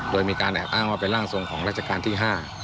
โดยมีการแอบอ้างว่าเป็นร่างทรงของราชการที่๕